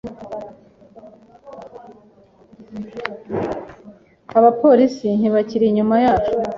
Abapolisi ntibakiri inyuma yacu.